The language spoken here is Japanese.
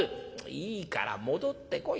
「いいから戻ってこい。